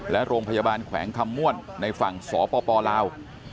และโรงพยาบาลแขวงคำม่วนในฝั่งสปลาว